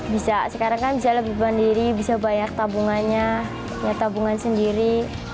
bisa sekarang kan bisa lebih mandiri bisa banyak tabungannya tabungan sendiri